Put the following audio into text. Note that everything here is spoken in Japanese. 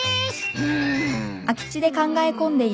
うん。